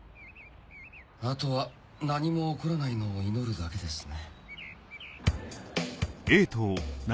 あとは何も起こらないのを祈るだけですね。